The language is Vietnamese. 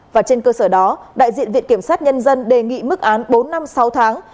và trên cơ sở đó đại diện viện kiểm sát nhân dân đề nghị mức án bốn năm sáu tháng